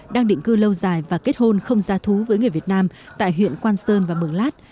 đang định cư lâu dài và kết hôn không giá thú với người việt nam tại huyện quan sơn và mường lát